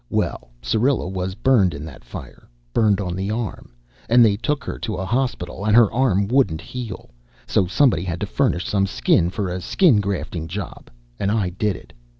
Well, Syrilla was burned in that fire burned on the arm and they took her to a hospital and her arm wouldn't heal. So somebody had to furnish some skin for a skin grafting job, and I did it.